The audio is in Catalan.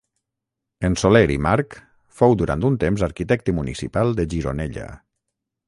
En Soler i March fou durant un temps arquitecte municipal de Gironella.